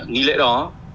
nghi lễ đó